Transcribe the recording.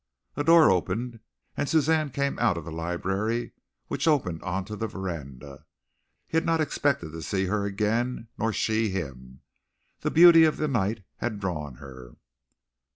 A door opened and Suzanne came out of the library, which opened on to the veranda. He had not expected to see her again, nor she him. The beauty of the night had drawn her.